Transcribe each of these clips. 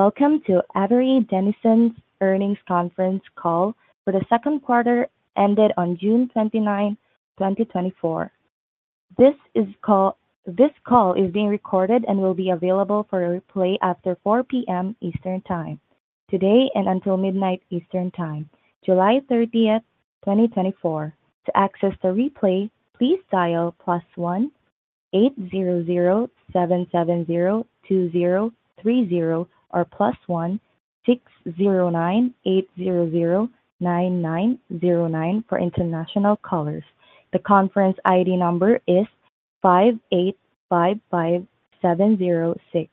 Welcome to Avery Dennison's earnings conference call for the second quarter ended on June 29th, 2024. This call is being recorded and will be available for a replay after 4:00 P.M. Eastern Time today and until midnight Eastern Time, July 30th, 2024. To access the replay, please dial +1 800-770-2030 or +1 609-800-9909 for international callers. The conference ID number is 5855706.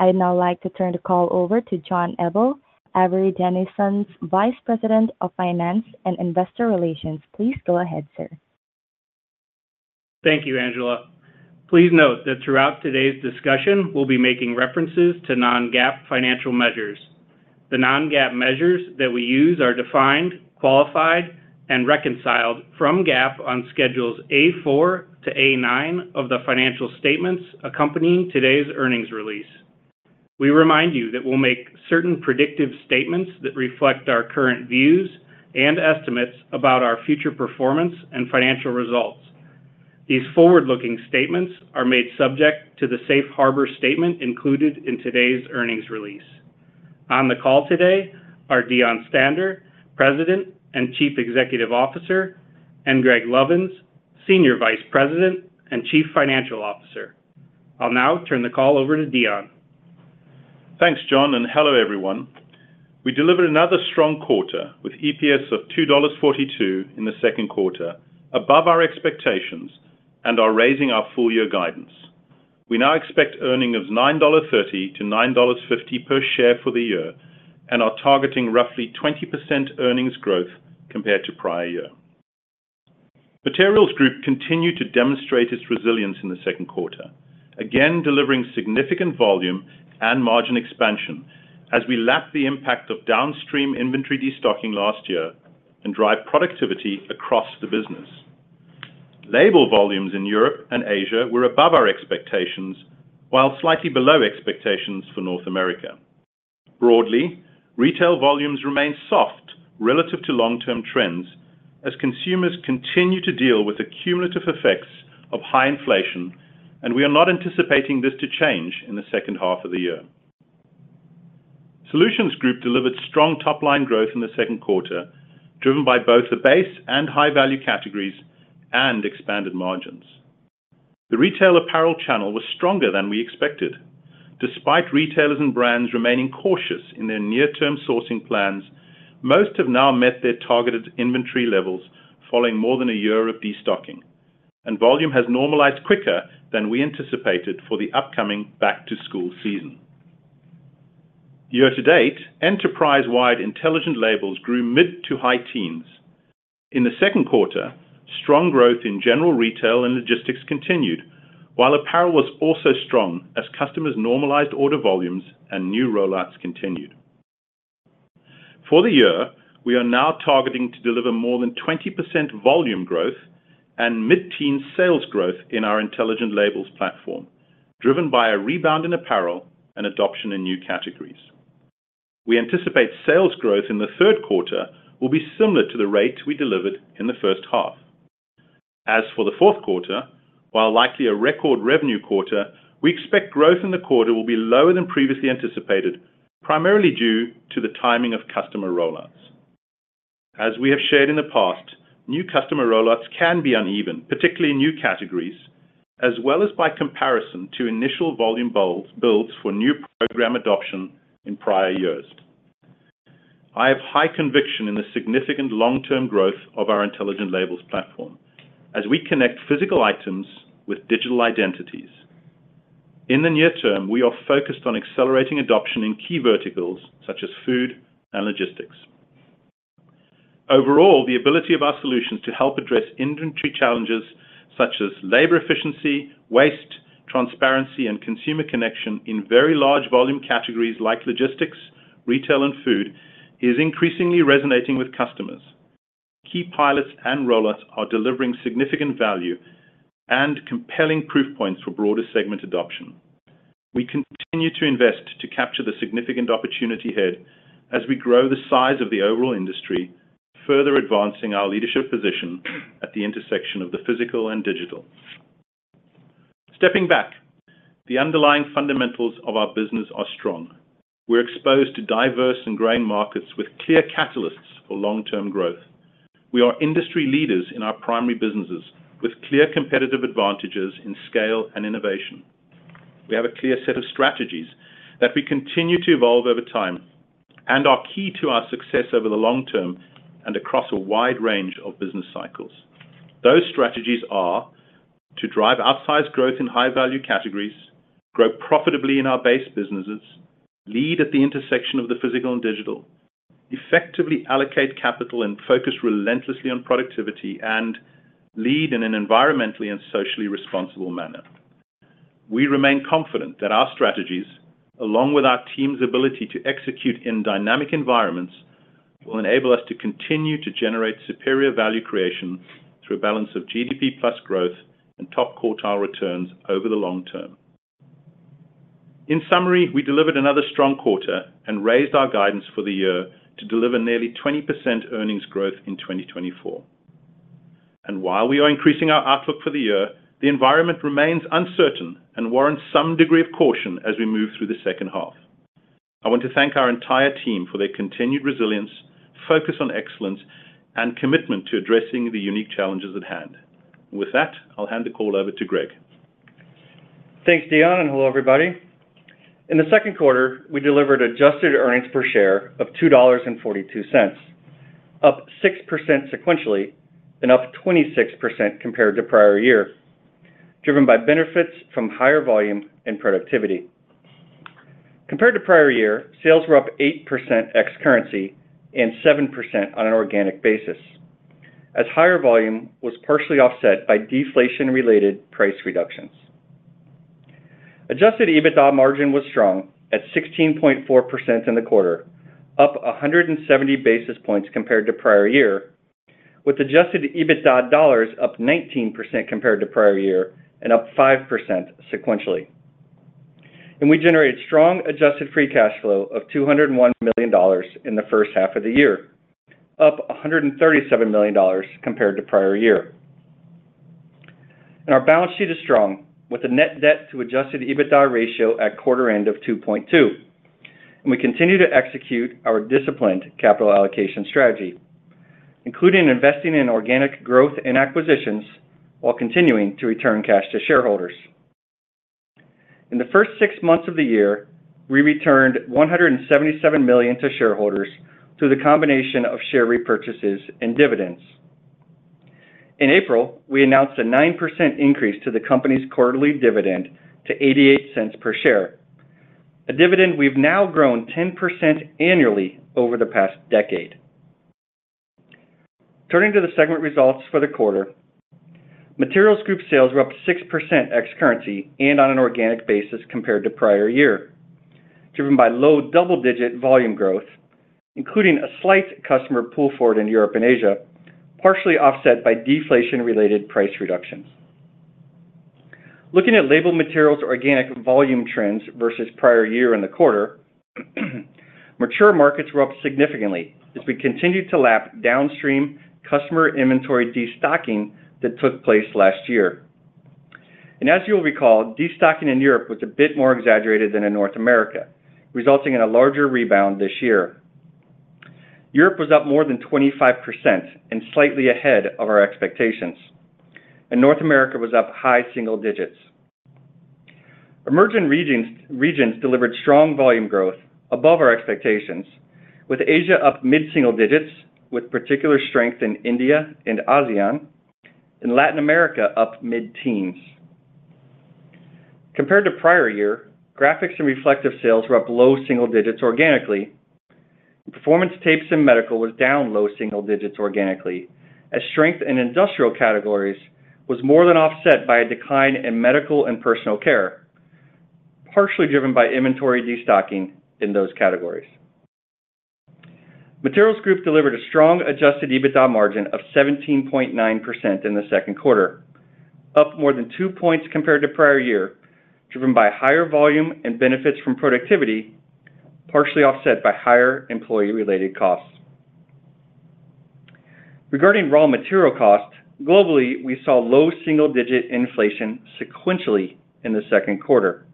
I'd now like to turn the call over to John Eble, Avery Dennison's Vice President of Finance and Investor Relations. Please go ahead, sir. Thank you, Angela. Please note that throughout today's discussion, we'll be making references to Non-GAAP financial measures. The Non-GAAP measures that we use are defined, qualified, and reconciled from GAAP on schedules A-4 to A-9 of the financial statements accompanying today's earnings release. We remind you that we'll make certain predictive statements that reflect our current views and estimates about our future performance and financial results. These forward-looking statements are made subject to the Safe Harbor Statement included in today's earnings release. On the call today are Deon Stander, President and Chief Executive Officer, and Greg Lovins, Senior Vice President and Chief Financial Officer. I'll now turn the call over to Deon. Thanks, John, and hello, everyone. We delivered another strong quarter with EPS of $2.42 in the second quarter, above our expectations, and are raising our full-year guidance. We now expect earnings of $9.30-$9.50 per share for the year, and are targeting roughly 20% earnings growth compared to prior year. Materials Group continued to demonstrate its resilience in the second quarter, again delivering significant volume and margin expansion as we lapped the impact of downstream inventory destocking last year and drive productivity across the business. Label volumes in Europe and Asia were above our expectations, while slightly below expectations for North America. Broadly, retail volumes remained soft relative to long-term trends as consumers continue to deal with the cumulative effects of high inflation, and we are not anticipating this to change in the second half of the year. Solutions Group delivered strong top-line growth in the second quarter, driven by both the base and high-value categories and expanded margins. The retail apparel channel was stronger than we expected. Despite retailers and brands remaining cautious in their near-term sourcing plans, most have now met their targeted inventory levels following more than a year of destocking, and volume has normalized quicker than we anticipated for the upcoming back-to-school season. Year-to-date, enterprise-wide Intelligent Labels grew mid to high teens. In the second quarter, strong growth in general retail and logistics continued, while apparel was also strong as customers normalized order volumes and new rollouts continued. For the year, we are now targeting to deliver more than 20% volume growth and mid-teens sales growth in our Intelligent Labels platform, driven by a rebound in apparel and adoption in new categories. We anticipate sales growth in the third quarter will be similar to the rate we delivered in the first half. As for the fourth quarter, while likely a record revenue quarter, we expect growth in the quarter will be lower than previously anticipated, primarily due to the timing of customer rollouts. As we have shared in the past, new customer rollouts can be uneven, particularly in new categories, as well as by comparison to initial volume builds for new program adoption in prior years. I have high conviction in the significant long-term growth of our Intelligent Labels platform as we connect physical items with digital identities. In the near term, we are focused on accelerating adoption in key verticals such as food and logistics. Overall, the ability of our solutions to help address inventory challenges such as labor efficiency, waste, transparency, and consumer connection in very large volume categories like logistics, retail, and food is increasingly resonating with customers. Key pilots and rollouts are delivering significant value and compelling proof points for broader segment adoption. We continue to invest to capture the significant opportunity here as we grow the size of the overall industry, further advancing our leadership position at the intersection of the physical and digital. Stepping back, the underlying fundamentals of our business are strong. We're exposed to diverse end markets with clear catalysts for long-term growth. We are industry leaders in our primary businesses with clear competitive advantages in scale and innovation. We have a clear set of strategies that we continue to evolve over time and are key to our success over the long term and across a wide range of business cycles. Those strategies are to drive outsized growth in high-value categories, grow profitably in our base businesses, lead at the intersection of the physical and digital, effectively allocate capital, and focus relentlessly on productivity and lead in an environmentally and socially responsible manner. We remain confident that our strategies, along with our team's ability to execute in dynamic environments, will enable us to continue to generate superior value creation through a balance of GDP plus growth and top quartile returns over the long term. In summary, we delivered another strong quarter and raised our guidance for the year to deliver nearly 20% earnings growth in 2024. While we are increasing our outlook for the year, the environment remains uncertain and warrants some degree of caution as we move through the second half. I want to thank our entire team for their continued resilience, focus on excellence, and commitment to addressing the unique challenges at hand. With that, I'll hand the call over to Greg. Thanks, Deon, and hello, everybody. In the second quarter, we delivered Adjusted earnings per share of $2.42, up 6% sequentially and up 26% compared to prior year, driven by benefits from higher volume and productivity. Compared to prior year, sales were up 8% ex-currency and 7% on an organic basis, as higher volume was partially offset by deflation-related price reductions. Adjusted EBITDA margin was strong at 16.4% in the quarter, up 170 basis points compared to prior year, with Adjusted EBITDA dollars up 19% compared to prior year and up 5% sequentially. We generated strong Adjusted free cash flow of $201 million in the first half of the year, up $137 million compared to prior year. Our balance sheet is strong with a net debt to Adjusted EBITDA ratio at quarter-end of 2.2. We continue to execute our disciplined capital allocation strategy, including investing in organic growth and acquisitions while continuing to return cash to shareholders. In the first six months of the year, we returned $177 million to shareholders through the combination of share repurchases and dividends. In April, we announced a 9% increase to the company's quarterly dividend to $0.88 per share, a dividend we've now grown 10% annually over the past decade. Turning to the segment results for the quarter, Materials Group sales were up 6% ex-currency and on an organic basis compared to prior year, driven by low double-digit volume growth, including a slight customer pull forward in Europe and Asia, partially offset by deflation-related price reductions. Looking at Label Materials organic volume trends versus prior year in the quarter, mature markets were up significantly as we continued to lap downstream customer inventory destocking that took place last year. As you'll recall, destocking in Europe was a bit more exaggerated than in North America, resulting in a larger rebound this year. Europe was up more than 25% and slightly ahead of our expectations, and North America was up high single digits. Emerging regions delivered strong volume growth above our expectations, with Asia up mid-single digits, with particular strength in India and ASEAN, and Latin America up mid-teens. Compared to prior year, Graphics and Reflectives sales were up low single digits organically. Performance Tapes and Medical was down low single digits organically, as strength in industrial categories was more than offset by a decline in medical and personal care, partially driven by inventory destocking in those categories. Materials Group delivered a strong Adjusted EBITDA margin of 17.9% in the second quarter, up more than 2 points compared to prior year, driven by higher volume and benefits from productivity, partially offset by higher employee-related costs. Regarding raw material costs, globally, we saw low single-digit inflation sequentially in the second quarter.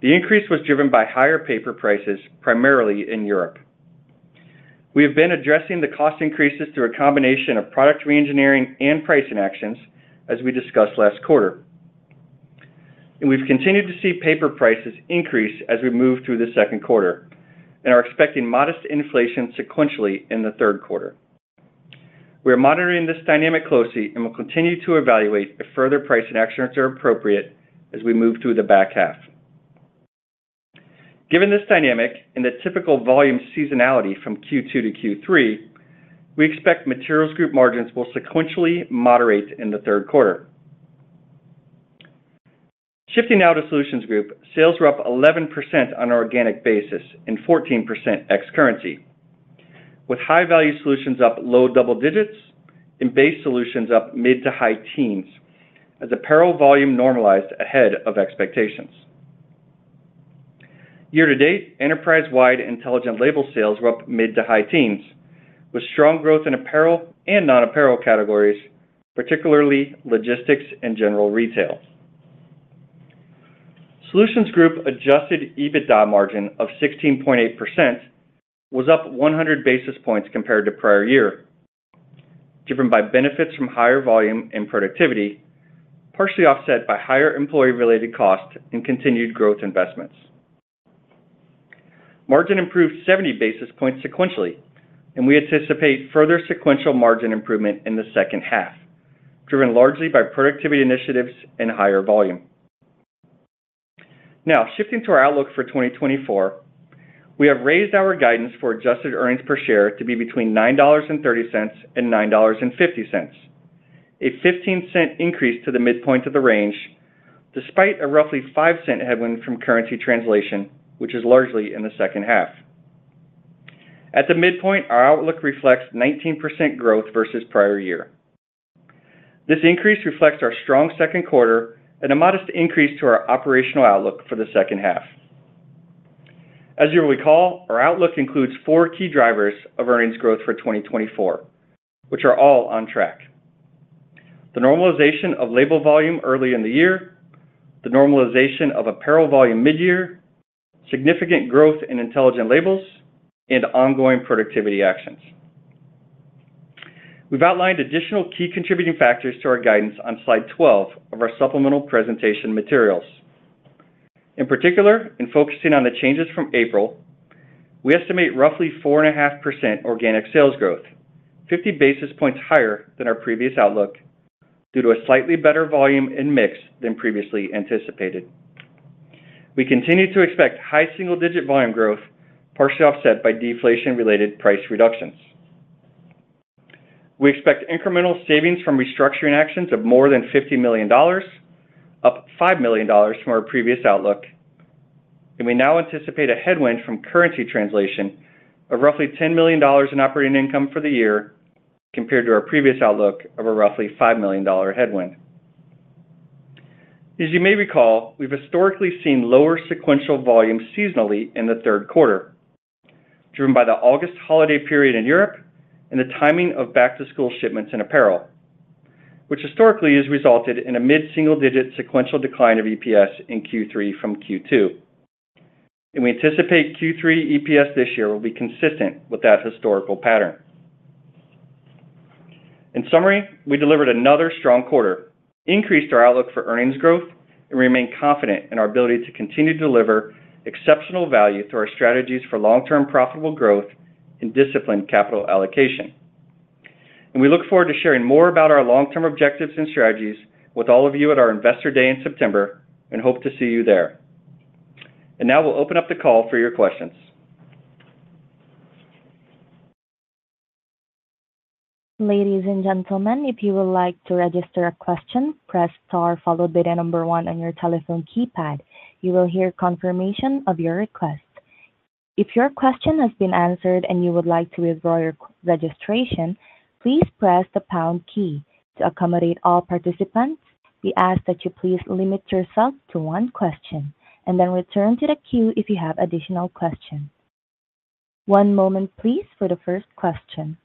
The increase was driven by higher paper prices, primarily in Europe. We have been addressing the cost increases through a combination of product re-engineering and pricing actions as we discussed last quarter. We've continued to see paper prices increase as we move through the second quarter and are expecting modest inflation sequentially in the third quarter. We are monitoring this dynamic closely and will continue to evaluate if further price actions are appropriate as we move through the back half. Given this dynamic and the typical volume seasonality from Q2 to Q3, we expect Materials Group margins will sequentially moderate in the third quarter. Shifting now to Solutions Group, sales were up 11% on an organic basis and 14% ex-currency, with high-value solutions up low double digits and base solutions up mid to high teens as apparel volume normalized ahead of expectations. Year-to-date, enterprise-wide Intelligent Label sales were up mid to high teens, with strong growth in apparel and non-apparel categories, particularly logistics and general retail. Solutions Group Adjusted EBITDA margin of 16.8% was up 100 basis points compared to prior year, driven by benefits from higher volume and productivity, partially offset by higher employee-related costs and continued growth investments. Margin improved 70 basis points sequentially, and we anticipate further sequential margin improvement in the second half, driven largely by productivity initiatives and higher volume. Now, shifting to our outlook for 2024, we have raised our guidance for adjusted earnings per share to be between $9.30 and $9.50, a $0.15 increase to the midpoint of the range, despite a roughly $0.05 headwind from currency translation, which is largely in the second half. At the midpoint, our outlook reflects 19% growth versus prior year. This increase reflects our strong second quarter and a modest increase to our operational outlook for the second half. As you'll recall, our outlook includes four key drivers of earnings growth for 2024, which are all on track: the normalization of label volume early in the year, the normalization of apparel volume mid-year, significant growth in Intelligent Labels, and ongoing productivity actions. We've outlined additional key contributing factors to our guidance on slide 12 of our supplemental presentation materials. In particular, in focusing on the changes from April, we estimate roughly 4.5% organic sales growth, 50 basis points higher than our previous outlook due to a slightly better volume and mix than previously anticipated. We continue to expect high single-digit volume growth, partially offset by deflation-related price reductions. We expect incremental savings from restructuring actions of more than $50 million, up $5 million from our previous outlook. We now anticipate a headwind from currency translation of roughly $10 million in operating income for the year compared to our previous outlook of a roughly $5 million headwind. As you may recall, we've historically seen lower sequential volume seasonally in the third quarter, driven by the August holiday period in Europe and the timing of back-to-school shipments and apparel, which historically has resulted in a mid-single-digit sequential decline of EPS in Q3 from Q2. We anticipate Q3 EPS this year will be consistent with that historical pattern. In summary, we delivered another strong quarter, increased our outlook for earnings growth, and remain confident in our ability to continue to deliver exceptional value through our strategies for long-term profitable growth and disciplined capital allocation. We look forward to sharing more about our long-term objectives and strategies with all of you at our investor day in September and hope to see you there. Now we'll open up the call for your questions. Ladies and gentlemen, if you would like to register a question, press star followed by the number one on your telephone keypad. You will hear confirmation of your request. If your question has been answered and you would like to withdraw your registration, please press the pound key. To accommodate all participants, we ask that you please limit yourself to one question and then return to the queue if you have additional questions. One moment, please, for the first question.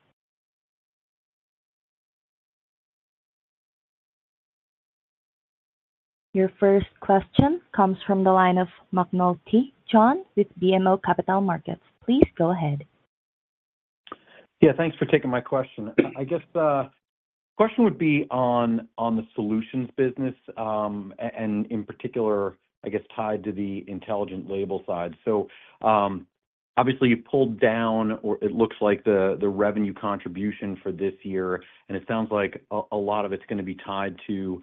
Your first question comes from the line of McNulty, John, with BMO Capital Markets. Please go ahead. Yeah, thanks for taking my question. I guess the question would be on the solutions business and in particular, I guess, tied to the Intelligent Labels side. So obviously, you pulled down, or it looks like the revenue contribution for this year, and it sounds like a lot of it's going to be tied to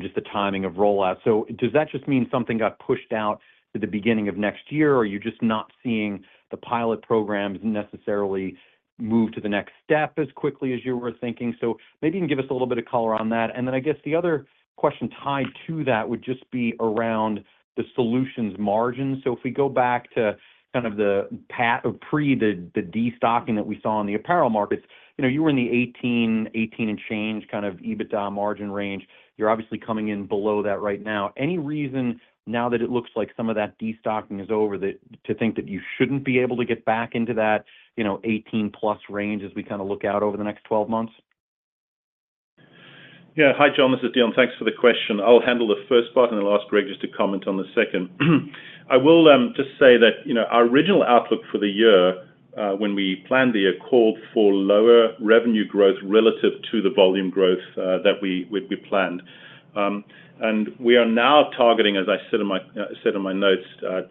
just the timing of rollout. So does that just mean something got pushed out to the beginning of next year, or are you just not seeing the pilot programs necessarily move to the next step as quickly as you were thinking? So maybe you can give us a little bit of color on that. And then I guess the other question tied to that would just be around the solutions margin. So if we go back to kind of the pre the destocking that we saw in the apparel markets, you were in the 18%-18% and change kind of EBITDA margin range. You're obviously coming in below that right now. Any reason now that it looks like some of that destocking is over to think that you shouldn't be able to get back into that 18%+ range as we kind of look out over the next 12 months? Yeah. Hi, John. This is Deon. Thanks for the question. I'll handle the first part and then I'll ask Greg just to comment on the second. I will just say that our original outlook for the year when we planned the year called for lower revenue growth relative to the volume growth that we planned. And we are now targeting, as I said in my notes, 20%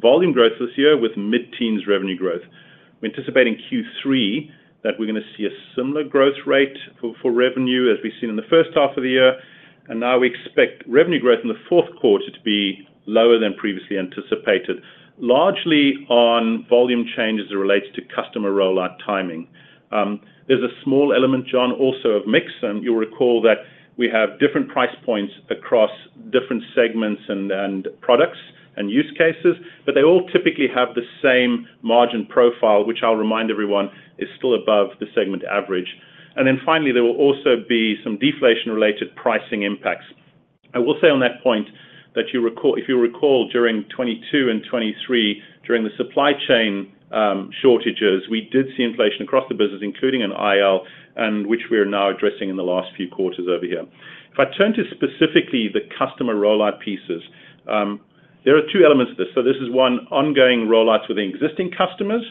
volume growth this year with mid-teens revenue growth. We're anticipating Q3 that we're going to see a similar growth rate for revenue as we've seen in the first half of the year. And now we expect revenue growth in the fourth quarter to be lower than previously anticipated, largely on volume changes as it relates to customer rollout timing. There's a small element, John, also of mix. You'll recall that we have different price points across different segments and products and use cases, but they all typically have the same margin profile, which I'll remind everyone is still above the segment average. And then finally, there will also be some deflation-related pricing impacts. I will say on that point that if you recall during 2022 and 2023, during the supply chain shortages, we did see inflation across the business, including in IL, and which we are now addressing in the last few quarters over here. If I turn to specifically the customer rollout pieces, there are two elements of this. So this is one, ongoing rollouts with existing customers,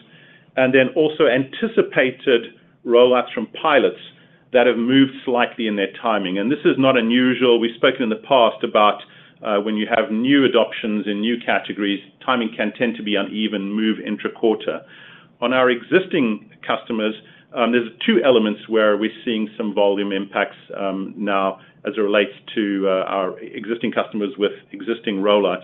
and then also anticipated rollouts from pilots that have moved slightly in their timing. And this is not unusual. We've spoken in the past about when you have new adoptions in new categories, timing can tend to be uneven, move intra-quarter. On our existing customers, there's two elements where we're seeing some volume impacts now as it relates to our existing customers with existing rollouts.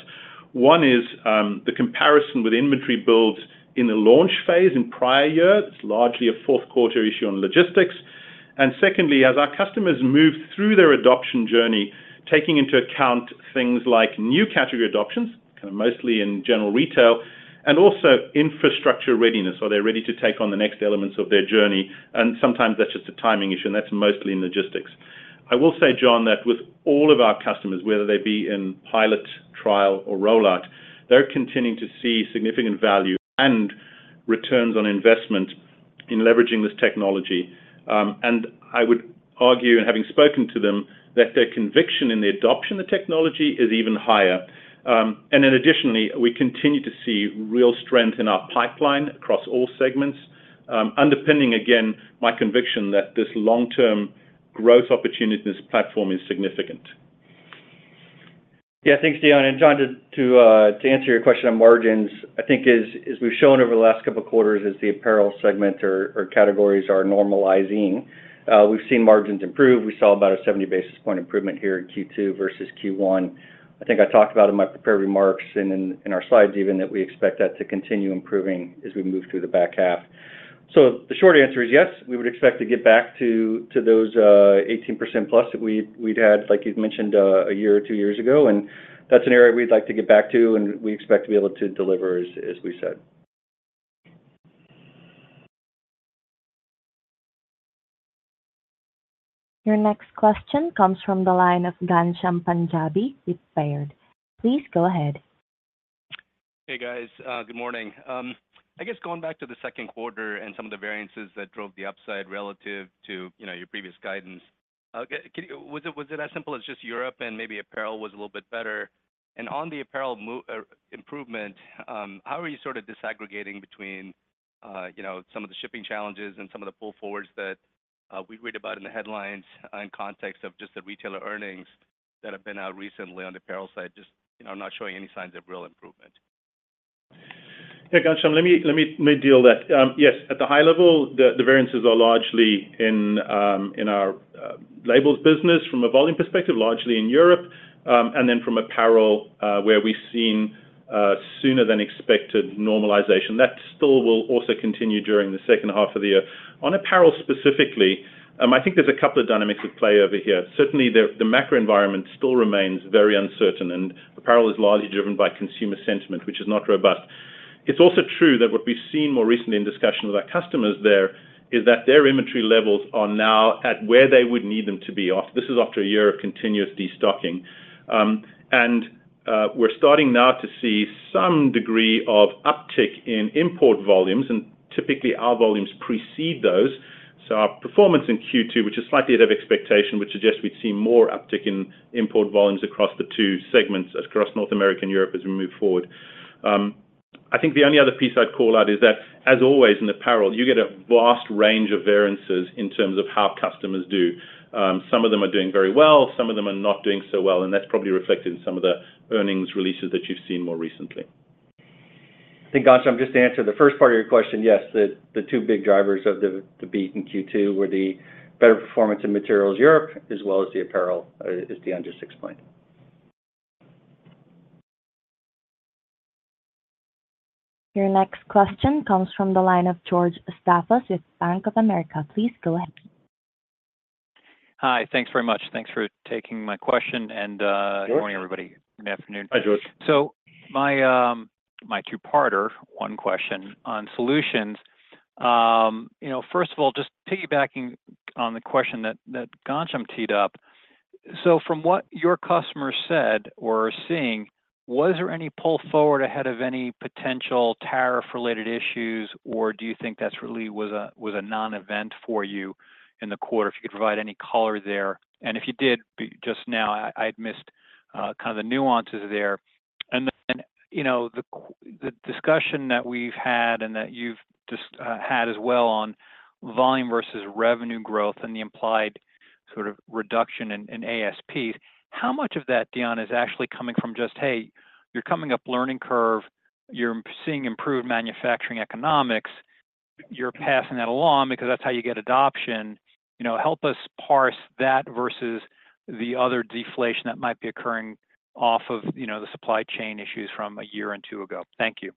One is the comparison with inventory builds in the launch phase in prior year. It's largely a fourth quarter issue on logistics. And secondly, as our customers move through their adoption journey, taking into account things like new category adoptions, kind of mostly in general retail, and also infrastructure readiness, so they're ready to take on the next elements of their journey. And sometimes that's just a timing issue, and that's mostly in logistics. I will say, John, that with all of our customers, whether they be in pilot, trial, or rollout, they're continuing to see significant value and returns on investment in leveraging this technology. And I would argue, and having spoken to them, that their conviction in the adoption of the technology is even higher. And then additionally, we continue to see real strength in our pipeline across all segments, underpinning, again, my conviction that this long-term growth opportunity in this platform is significant. Yeah, thanks, Deon. And John, to answer your question on margins, I think as we've shown over the last couple of quarters, as the apparel segment or categories are normalizing, we've seen margins improve. We saw about a 70 basis points improvement here in Q2 versus Q1. I think I talked about in my prepared remarks and in our slides even that we expect that to continue improving as we move through the back half. So the short answer is yes. We would expect to get back to those 18% plus that we'd had, like you mentioned, a year or two years ago. And that's an area we'd like to get back to, and we expect to be able to deliver, as we said. Your next question comes from the line of Ghansham Panjabi with Baird. Please go ahead. Hey, guys. Good morning. I guess going back to the second quarter and some of the variances that drove the upside relative to your previous guidance, was it as simple as just Europe and maybe apparel was a little bit better? And on the apparel improvement, how are you sort of disaggregating between some of the shipping challenges and some of the pull forwards that we read about in the headlines in context of just the retailer earnings that have been out recently on the apparel side, just not showing any signs of real improvement? Yeah, Ghansham, let me deal with that. Yes, at the high level, the variances are largely in our labels business from a volume perspective, largely in Europe, and then from apparel where we've seen sooner-than-expected normalization. That still will also continue during the second half of the year. On apparel specifically, I think there's a couple of dynamics at play over here. Certainly, the macro environment still remains very uncertain, and apparel is largely driven by consumer sentiment, which is not robust. It's also true that what we've seen more recently in discussion with our customers there is that their inventory levels are now at where they would need them to be. This is after a year of continuous destocking. And we're starting now to see some degree of uptick in import volumes, and typically our volumes precede those. So our performance in Q2, which is slightly ahead of expectation, would suggest we'd see more uptick in import volumes across the two segments across North America and Europe as we move forward. I think the only other piece I'd call out is that, as always in apparel, you get a vast range of variances in terms of how customers do. Some of them are doing very well. Some of them are not doing so well, and that's probably reflected in some of the earnings releases that you've seen more recently. I think, Ghansham, just to answer the first part of your question, yes, the two big drivers of the beat in Q2 were the better performance in materials Europe as well as the apparel, as Deon just explained. Your next question comes from the line of George Staphos with Bank of America. Please go ahead. Hi, thanks very much. Thanks for taking my question. Good morning, everybody. Good afternoon. Hi, George. So my two-parter, one question on solutions. First of all, just piggybacking on the question that Ghansham teed up, so from what your customers said or are seeing, was there any pull forward ahead of any potential tariff-related issues, or do you think that really was a non-event for you in the quarter? If you could provide any color there. And if you did, just now, I'd missed kind of the nuances there. And then the discussion that we've had and that you've had as well on volume versus revenue growth and the implied sort of reduction in ASPs, how much of that, Deon, is actually coming from just, "Hey, you're coming up learning curve. You're seeing improved manufacturing economics. You're passing that along because that's how you get adoption." Help us parse that versus the other deflation that might be occurring off of the supply chain issues from a year or two ago. Thank you.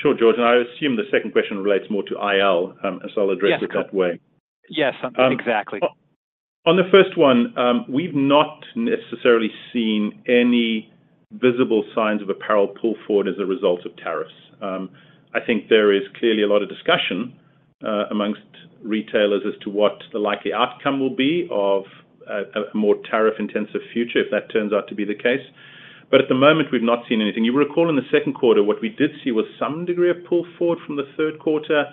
Sure, George. I assume the second question relates more to IL, so I'll address it that way. Yes, exactly. On the first one, we've not necessarily seen any visible signs of apparel pull forward as a result of tariffs. I think there is clearly a lot of discussion among retailers as to what the likely outcome will be of a more tariff-intensive future if that turns out to be the case. But at the moment, we've not seen anything. You will recall in the second quarter, what we did see was some degree of pull forward from the third quarter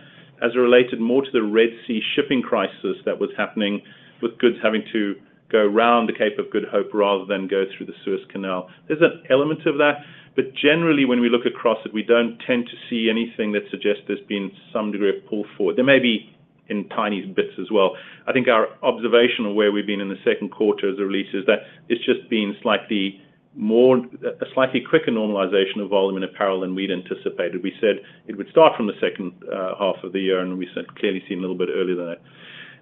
as it related more to the Red Sea shipping crisis that was happening with goods having to go around the Cape of Good Hope rather than go through the Suez Canal. There's an element of that. But generally, when we look across it, we don't tend to see anything that suggests there's been some degree of pull forward. There may be in tiny bits as well. I think our observation of where we've been in the second quarter as released is that it's just been slightly more, a slightly quicker normalization of volume in apparel than we'd anticipated. We said it would start from the second half of the year, and we've clearly seen a little bit earlier than that.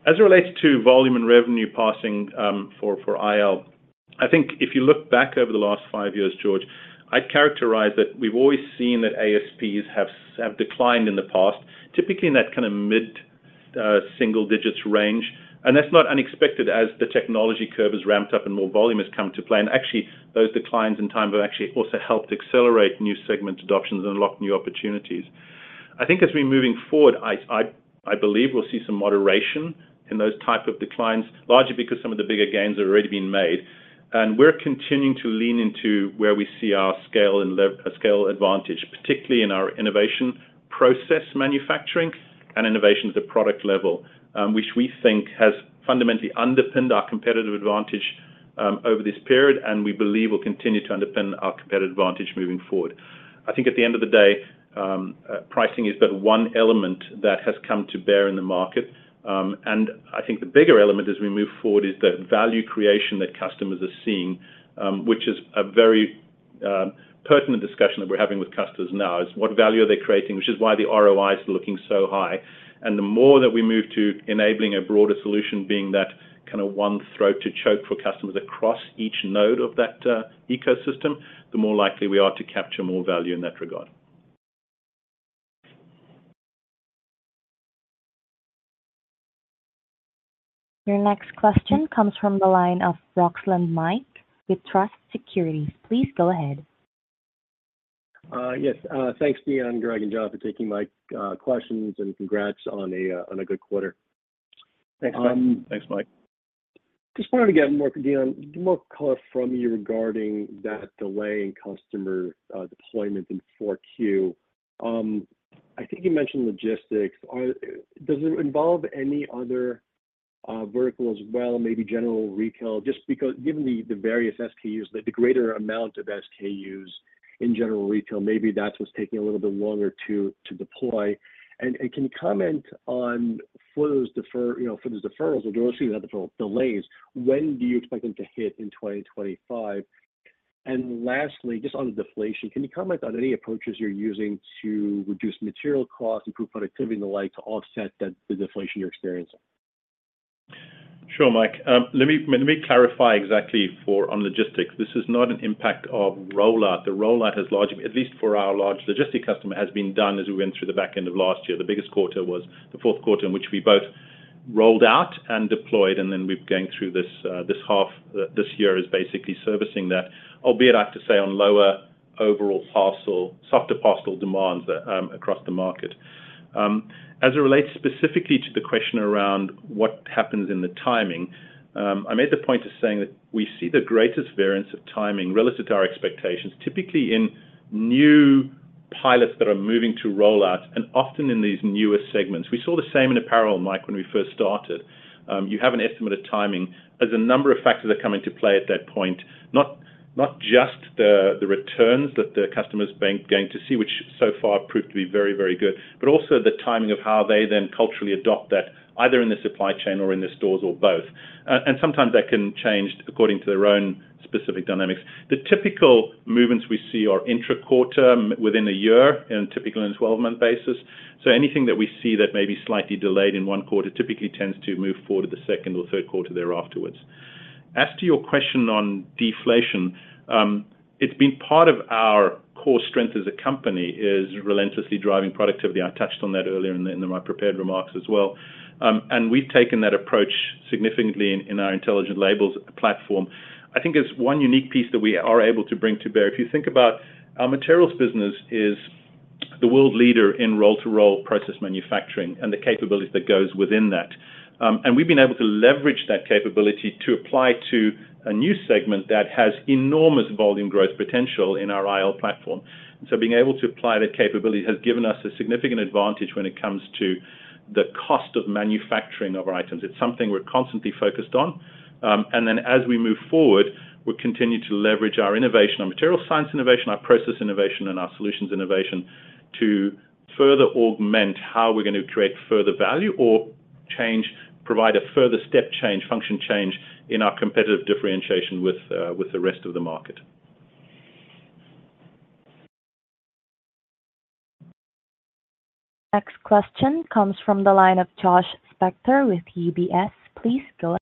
As it relates to volume and revenue pacing for IL, I think if you look back over the last 5 years, George, I'd characterize that we've always seen that ASPs have declined in the past, typically in that kind of mid-single digits range. And that's not unexpected as the technology curve has ramped up and more volume has come to play. And actually, those declines in time have actually also helped accelerate new segment adoptions and unlock new opportunities. I think as we're moving forward, I believe we'll see some moderation in those type of declines, largely because some of the bigger gains have already been made. We're continuing to lean into where we see our scale and scale advantage, particularly in our innovation process manufacturing and innovation at the product level, which we think has fundamentally underpinned our competitive advantage over this period and we believe will continue to underpin our competitive advantage moving forward. I think at the end of the day, pricing is but one element that has come to bear in the market. I think the bigger element as we move forward is the value creation that customers are seeing, which is a very pertinent discussion that we're having with customers now, is what value are they creating, which is why the ROI is looking so high. The more that we move to enabling a broader solution being that kind of one throat to choke for customers across each node of that ecosystem, the more likely we are to capture more value in that regard. Your next question comes from the line of Mike Roxland, with Truist Securities. Please go ahead. Yes. Thanks, Deon, Greg, and John, for taking my questions and congrats on a good quarter. Thanks, Mike. Thanks, Mike. Just wanted to get more from Deon, more color from you regarding that delay in customer deployment in 4Q. I think you mentioned logistics. Does it involve any other vertical as well, maybe general retail? Just given the various SKUs, the greater amount of SKUs in general retail, maybe that's what's taking a little bit longer to deploy. And can you comment on for those deferrals or delays, when do you expect them to hit in 2025? And lastly, just on the deflation, can you comment on any approaches you're using to reduce material costs, improve productivity, and the like to offset the deflation you're experiencing? Sure, Mike. Let me clarify exactly on logistics. This is not an impact of rollout. The rollout has largely, at least for our large logistics customer, has been done as we went through the back end of last year. The biggest quarter was the fourth quarter in which we both rolled out and deployed, and then we're going through this half this year is basically servicing that, albeit I have to say on lower overall soft demand across the market. As it relates specifically to the question around what happens in the timing, I made the point of saying that we see the greatest variance of timing relative to our expectations, typically in new pilots that are moving to rollouts, and often in these newer segments. We saw the same in apparel, Mike, when we first started. You have an estimate of timing as a number of factors that come into play at that point, not just the returns that the customer's going to see, which so far proved to be very, very good, but also the timing of how they then culturally adopt that, either in the supply chain or in the stores or both. Sometimes that can change according to their own specific dynamics. The typical movements we see are intra-quarter, within a year, and typically on a 12-month basis. So anything that we see that may be slightly delayed in one quarter typically tends to move forward to the second or third quarter thereafterwards. As to your question on deflation, it's been part of our core strength as a company is relentlessly driving productivity. I touched on that earlier in my prepared remarks as well. We've taken that approach significantly in our Intelligent Labels platform. I think there's one unique piece that we are able to bring to bear. If you think about our materials business, it is the world leader in roll-to-roll process manufacturing and the capabilities that go within that. We've been able to leverage that capability to apply to a new segment that has enormous volume growth potential in our IL platform. Being able to apply that capability has given us a significant advantage when it comes to the cost of manufacturing of our items. It's something we're constantly focused on. As we move forward, we continue to leverage our innovation, our materials science innovation, our process innovation, and our solutions innovation to further augment how we're going to create further value or provide a further step change, function change in our competitive differentiation with the rest of the market. Next question comes from the line of Josh Spector with UBS. Please go ahead.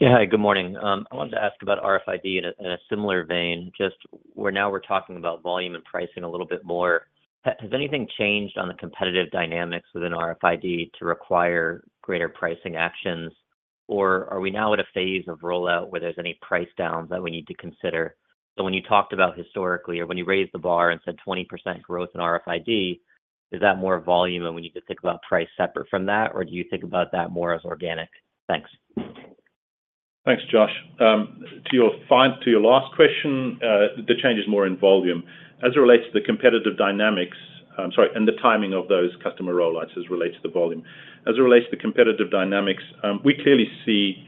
Yeah, hi, good morning. I wanted to ask about RFID in a similar vein. Just now we're talking about volume and pricing a little bit more. Has anything changed on the competitive dynamics within RFID to require greater pricing actions, or are we now at a phase of rollout where there's any price downs that we need to consider? So when you talked about historically, or when you raised the bar and said 20% growth in RFID, is that more volume and we need to think about price separate from that, or do you think about that more as organic? Thanks. Thanks, Josh. To your last question, the change is more in volume. As it relates to the competitive dynamics, sorry, and the timing of those customer rollouts as it relates to the volume. As it relates to the competitive dynamics, we clearly see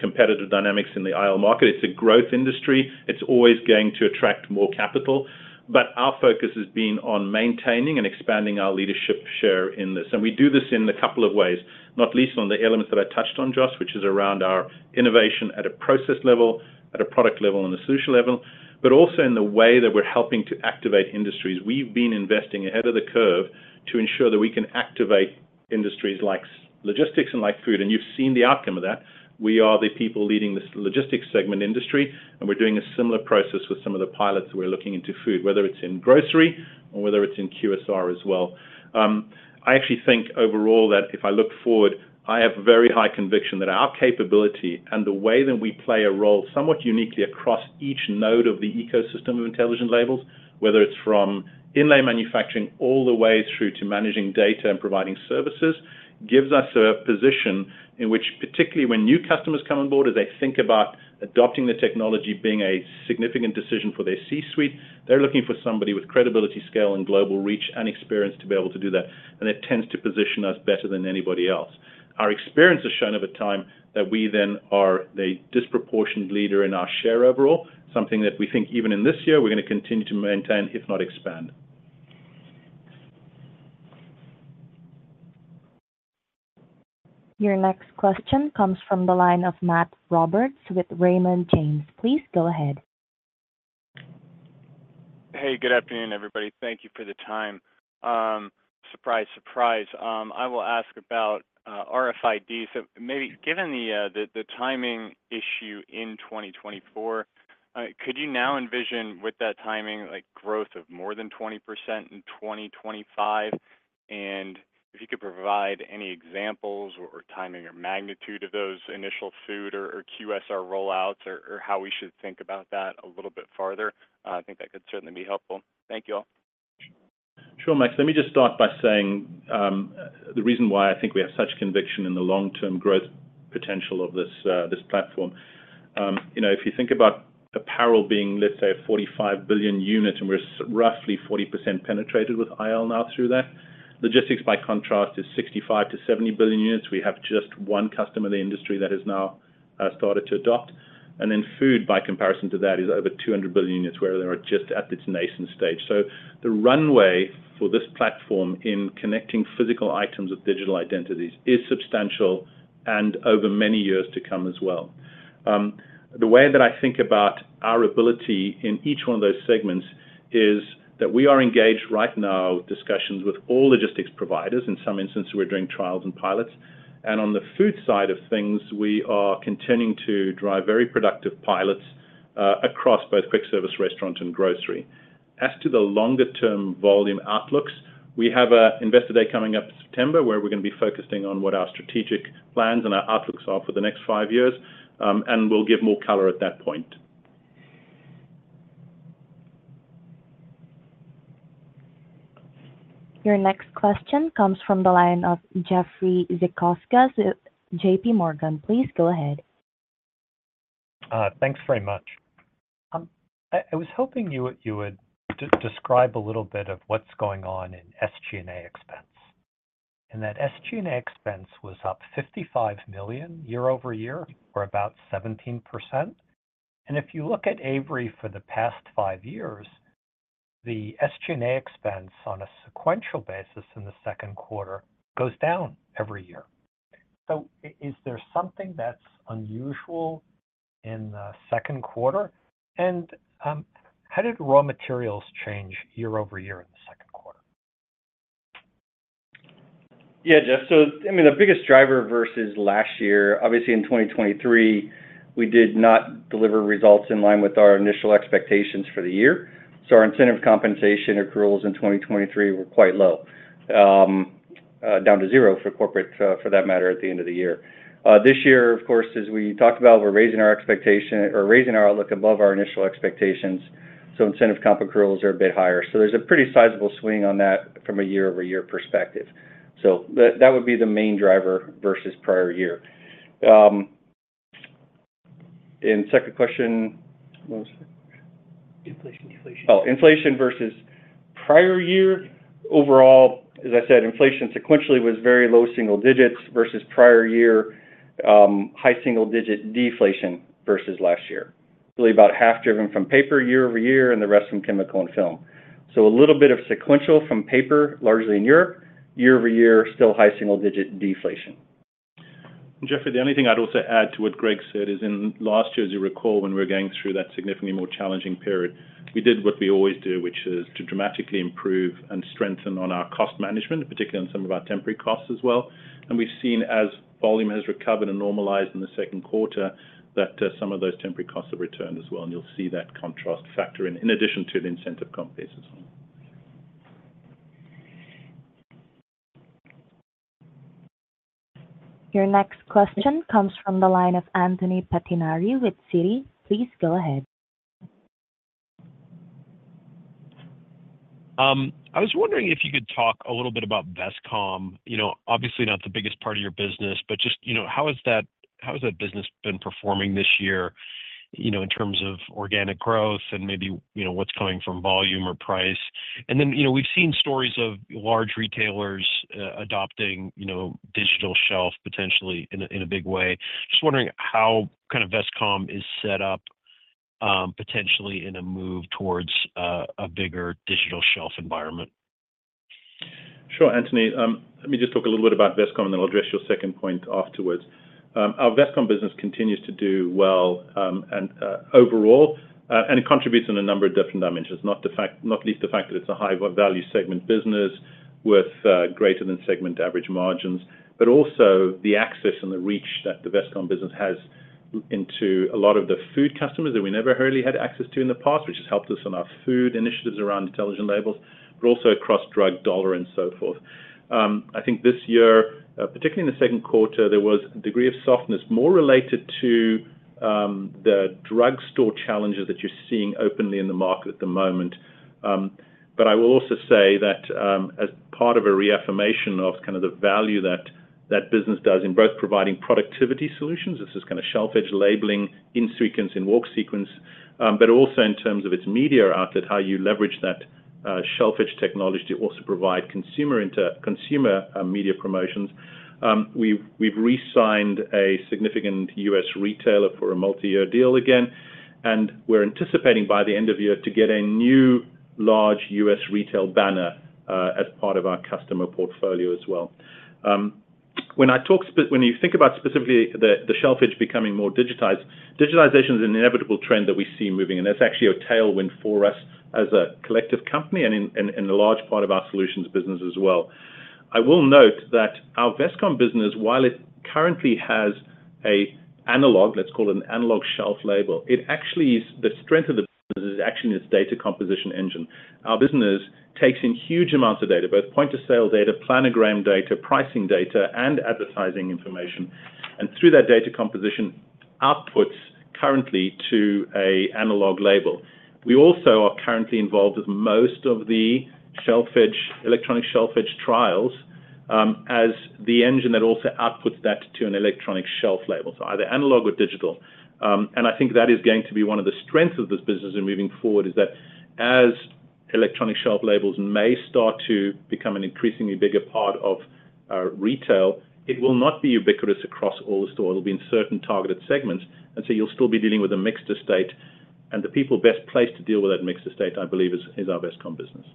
competitive dynamics in the IL market. It's a growth industry. It's always going to attract more capital. Our focus has been on maintaining and expanding our leadership share in this. We do this in a couple of ways, not least on the elements that I touched on, Josh, which is around our innovation at a process level, at a product level, and the solution level, but also in the way that we're helping to activate industries. We've been investing ahead of the curve to ensure that we can activate industries like logistics and like food. You've seen the outcome of that. We are the people leading the logistics segment industry, and we're doing a similar process with some of the pilots that we're looking into food, whether it's in grocery or whether it's in QSR as well. I actually think overall that if I look forward, I have very high conviction that our capability and the way that we play a role somewhat uniquely across each node of the ecosystem of Intelligent Labels, whether it's from inlay manufacturing all the way through to managing data and providing services, gives us a position in which, particularly when new customers come on board, as they think about adopting the technology being a significant decision for their C-suite, they're looking for somebody with credibility, scale, and global reach and experience to be able to do that. And it tends to position us better than anybody else. Our experience has shown over time that we then are the disproportionate leader in our share overall, something that we think even in this year we're going to continue to maintain, if not expand. Your next question comes from the line of Matt Roberts with Raymond James. Please go ahead. Hey, good afternoon, everybody. Thank you for the time. Surprise, surprise. I will ask about RFID. So maybe given the timing issue in 2024, could you now envision with that timing growth of more than 20% in 2025? And if you could provide any examples or timing or magnitude of those initial food or QSR rollouts or how we should think about that a little bit farther, I think that could certainly be helpful. Thank you all. Sure, Mike. Let me just start by saying the reason why I think we have such conviction in the long-term growth potential of this platform. If you think about apparel being, let's say, a 45 billion unit and we're roughly 40% penetrated with IL now through that. Logistics, by contrast, is 65-70 billion units. We have just one customer in the industry that has now started to adopt. And then food, by comparison to that, is over 200 billion units, where they are just at its nascent stage. So the runway for this platform in connecting physical items with digital identities is substantial and over many years to come as well. The way that I think about our ability in each one of those segments is that we are engaged right now with discussions with all logistics providers. In some instances, we're doing trials and pilots. On the food side of things, we are continuing to drive very productive pilots across both quick service, restaurant, and grocery. As to the longer-term volume outlooks, we have an investor day coming up in September where we're going to be focusing on what our strategic plans and our outlooks are for the next five years, and we'll give more color at that point. Your next question comes from the line of Jeffrey Zekauskas with JPMorgan. Please go ahead. Thanks very much. I was hoping you would describe a little bit of what's going on in SG&A expense. That SG&A expense was up $55 million year-over-year or about 17%. If you look at Avery for the past five years, the SG&A expense on a sequential basis in the second quarter goes down every year. So is there something that's unusual in the second quarter? And how did raw materials change year-over-year in the second quarter? Yeah, Jeff. So I mean, the biggest driver versus last year, obviously in 2023, we did not deliver results in line with our initial expectations for the year. So our incentive compensation accruals in 2023 were quite low, down to zero for corporate, for that matter, at the end of the year. This year, of course, as we talked about, we're raising our expectation or raising our outlook above our initial expectations. So incentive comp accruals are a bit higher. So there's a pretty sizable swing on that from a year-over-year perspective. So that would be the main driver versus prior year. And second question, what was it? Deflation, deflation. Oh, inflation versus prior year. Overall, as I said, inflation sequentially was very low single digits versus prior year, high single-digit deflation versus last year. Really about half driven from paper year-over-year and the rest from chemical and film. So a little bit of sequential from paper, largely in Europe, year-over-year, still high single-digit deflation. Jeffrey, the only thing I'd also add to what Greg said is in last year, as you recall, when we were going through that significantly more challenging period, we did what we always do, which is to dramatically improve and strengthen on our cost management, particularly on some of our temporary costs as well. We've seen as volume has recovered and normalized in the second quarter that some of those temporary costs have returned as well. You'll see that contrast factor in addition to the incentive comp basis. Your next question comes from the line of Anthony Pettinari with Citi. Please go ahead. I was wondering if you could talk a little bit about Vestcom. Obviously, not the biggest part of your business, but just how has that business been performing this year in terms of organic growth and maybe what's coming from volume or price? And then we've seen stories of large retailers adopting digital shelf potentially in a big way. Just wondering how kind of Vestcom is set up potentially in a move towards a bigger digital shelf environment? Sure, Anthony. Let me just talk a little bit about Vestcom, and then I'll address your second point afterwards. Our Vestcom business continues to do well overall, and it contributes in a number of different dimensions, not least the fact that it's a high-value segment business with greater than segment average margins, but also the access and the reach that the Vestcom business has into a lot of the food customers that we never really had access to in the past, which has helped us on our food initiatives around Intelligent Labels, but also across drug dollar and so forth. I think this year, particularly in the second quarter, there was a degree of softness more related to the drugstore challenges that you're seeing openly in the market at the moment. But I will also say that as part of a reaffirmation of kind of the value that that business does in both providing productivity solutions, this is kind of shelf edge labeling in sequence, in walk sequence, but also in terms of its media outlet, how you leverage that shelf edge technology to also provide consumer media promotions. We've re-signed a significant U.S. retailer for a multi-year deal again, and we're anticipating by the end of year to get a new large U.S. retail banner as part of our customer portfolio as well. When you think about specifically the shelf edge becoming more digitized, digitization is an inevitable trend that we see moving, and that's actually a tailwind for us as a collective company and in a large part of our solutions business as well. I will note that our Vestcom business, while it currently has an analog, let's call it an analog shelf label, the strength of the business is actually in its data composition engine. Our business takes in huge amounts of data, both point-of-sale data, planogram data, pricing data, and advertising information. Through that data composition, outputs currently to an analog label. We also are currently involved with most of the electronic shelf edge trials as the engine that also outputs that to an electronic shelf label, so either analog or digital. I think that is going to be one of the strengths of this business moving forward is that as electronic shelf labels may start to become an increasingly bigger part of retail, it will not be ubiquitous across all the stores. It will be in certain targeted segments. So you'll still be dealing with a mixed estate. The people best placed to deal with that mixed state, I believe, is our Vestcom business.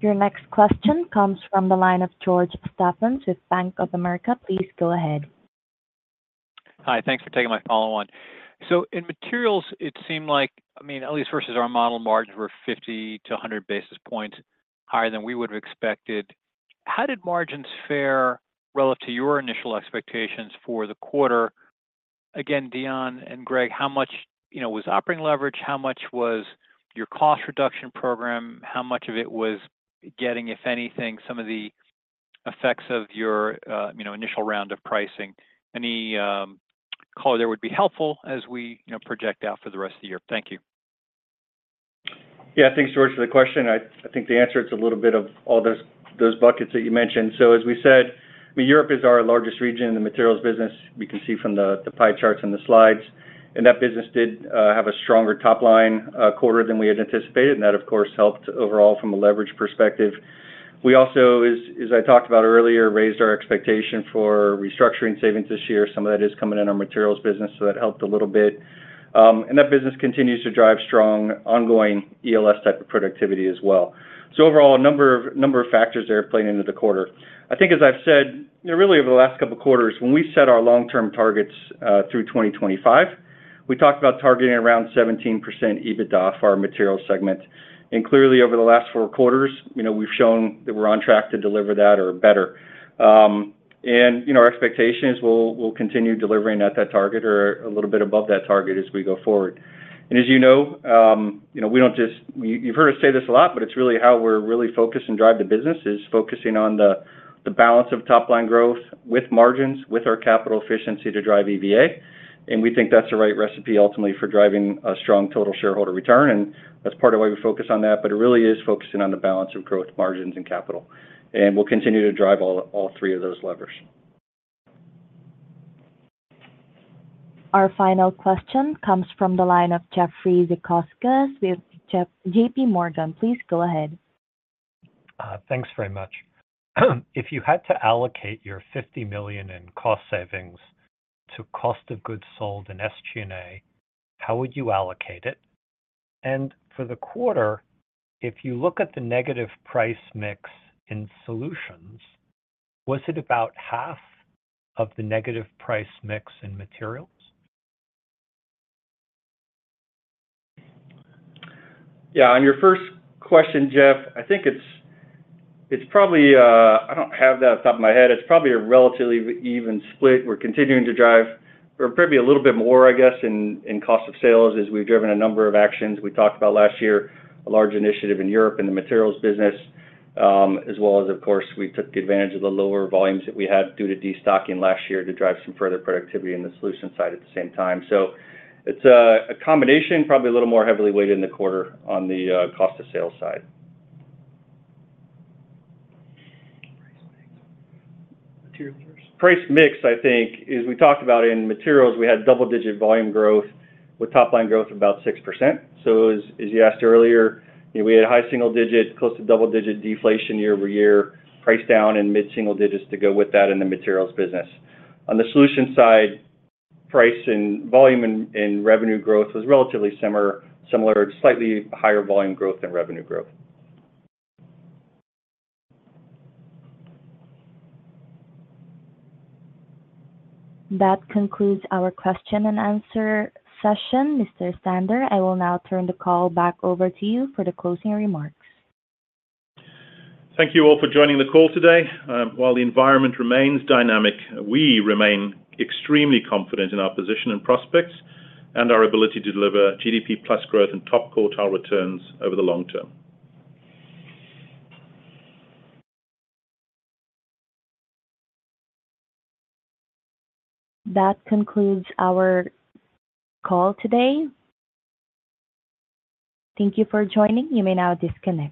Your next question comes from the line of George Staphos with Bank of America. Please go ahead. Hi, thanks for taking my follow-on. So in materials, it seemed like, I mean, at least versus our model, margins were 50-100 basis points higher than we would have expected. How did margins fare relative to your initial expectations for the quarter? Again, Deon and Greg, how much was operating leverage? How much was your cost reduction program? How much of it was getting, if anything, some of the effects of your initial round of pricing? Any color there would be helpful as we project out for the rest of the year. Thank you. Yeah, thanks, George, for the question. I think the answer is a little bit of all those buckets that you mentioned. So as we said, Europe is our largest region in the materials business. We can see from the pie charts and the slides. And that business did have a stronger top line quarter than we had anticipated. And that, of course, helped overall from a leverage perspective. We also, as I talked about earlier, raised our expectation for restructuring savings this year. Some of that is coming in our materials business, so that helped a little bit. And that business continues to drive strong ongoing ELS type of productivity as well. So overall, a number of factors there played into the quarter. I think, as I've said, really over the last couple of quarters, when we set our long-term targets through 2025, we talked about targeting around 17% EBITDA for our materials segment. Clearly, over the last four quarters, we've shown that we're on track to deliver that or better. Our expectation is we'll continue delivering at that target or a little bit above that target as we go forward. As you know, we don't just—you've heard us say this a lot, but it's really how we're really focused and drive the business is focusing on the balance of top line growth with margins, with our capital efficiency to drive EVA. We think that's the right recipe ultimately for driving a strong total shareholder return. That's part of why we focus on that. It really is focusing on the balance of growth, margins, and capital. We'll continue to drive all three of those levers. Our final question comes from the line of Jeffrey Zekauskas with JPMorgan. Please go ahead. Thanks very much. If you had to allocate your $50 million in cost savings to cost of goods sold in SG&A, how would you allocate it? For the quarter, if you look at the negative price mix in solutions, was it about half of the negative price mix in materials? Yeah, on your first question, Jeff, I think it's probably. I don't have that off the top of my head. It's probably a relatively even split. We're continuing to drive, or maybe a little bit more, I guess, in cost of sales as we've driven a number of actions we talked about last year, a large initiative in Europe in the materials business, as well as, of course, we took advantage of the lower volumes that we had due to destocking last year to drive some further productivity in the solution side at the same time. So it's a combination, probably a little more heavily weighted in the quarter on the cost of sales side. Price mix. Price mix, I think, as we talked about in materials, we had double-digit volume growth with top line growth of about 6%. So as you asked earlier, we had high single-digit, close to double-digit deflation year-over-year, price down in mid-single digits to go with that in the materials business. On the solution side, price and volume and revenue growth was relatively similar, slightly higher volume growth than revenue growth. That concludes our question and answer session. Mr. Stander, I will now turn the call back over to you for the closing remarks. Thank you all for joining the call today. While the environment remains dynamic, we remain extremely confident in our position and prospects and our ability to deliver GDP plus growth and top quartile returns over the long term. That concludes our call today. Thank you for joining. You may now disconnect.